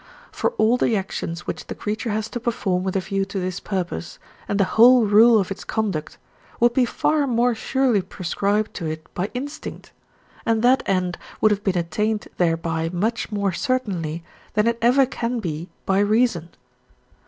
For all the actions which the creature has to perform with a view to this purpose, and the whole rule of its conduct, would be far more surely prescribed to it by instinct, and that end would have been attained thereby much more certainly than it ever can be by reason.